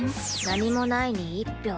何もないに１票。